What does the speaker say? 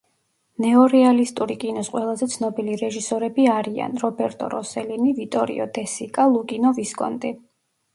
ნეორეალისტური კინოს ყველაზე ცნობილი რეჟისორები არიან: რობერტო როსელინი, ვიტორიო დე სიკა, ლუკინო ვისკონტი.